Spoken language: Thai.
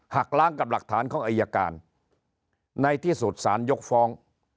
หักล้างกับหลักฐานของอายการในที่สุดสารยกฟ้อง